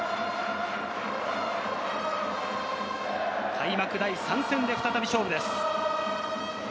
開幕第３戦で再び勝負です。